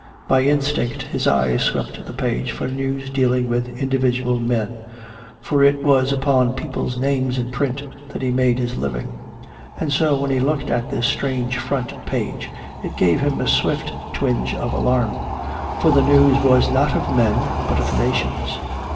By instinct his eye swept the page for news dealing with individual men, for it was upon people's names in print that he had made his living. And so when he looked at this strange front page it gave him a swift twinge of alarm. For the news was not of men but of nations.